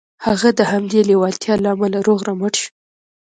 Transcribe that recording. هغه د همدې لېوالتیا له امله روغ رمټ شو